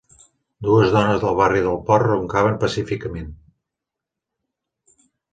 Dues dones del barri del port roncaven pacíficament